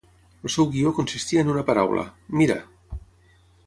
El seu guió consistia en una paraula: "Mira!".